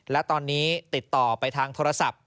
และตอนนี้ติดต่อไปทางโทรศัพท์